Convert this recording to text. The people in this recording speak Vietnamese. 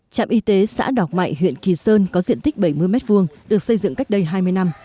trạm y tế xã đọc mại huyện kỳ sơn có diện tích bảy mươi m hai được xây dựng cách đây hai mươi năm